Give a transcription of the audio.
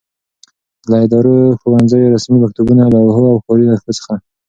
له ادارو، ښوونځیو، رسمي مکتوبونو، لوحو او ښاري نښو څخه